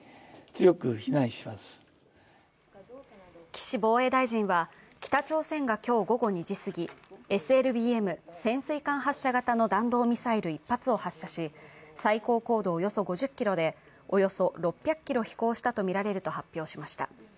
岸防衛大臣は、北朝鮮が今日午後２時すぎ、ＳＬＢＭ＝潜水艦発射型の弾道ミサイル１発を発射し最高高度およそ５０ｋｍでおよそ６００ｋｍ飛行したとみられると発表しました。